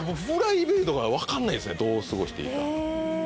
プライベートが分かんないんですどう過ごしていいか。